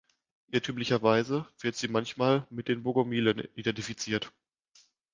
Irrtümlicherweise wird sie manchmal mit den Bogomilen identifiziert.